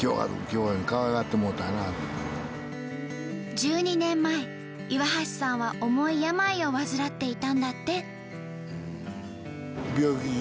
１２年前岩橋さんは重い病を患っていたんだって。